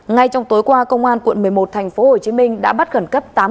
ngay trong tối qua công an quận một mươi một tp hcm đã bắt gần cấp tám đồng